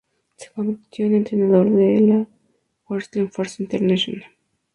Se convirtió en entrenador de la Wrestling Force International.